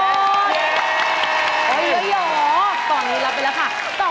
โอ้โหเยอะตอนนี้รับไปแล้วค่ะ